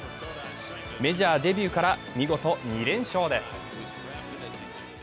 メジャーデビューから見事２連勝です。